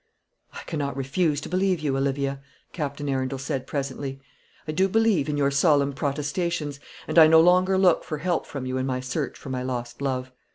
"I cannot refuse to believe you, Olivia," Captain Arundel said presently. "I do believe in your solemn protestations, and I no longer look for help from you in my search for my lost love.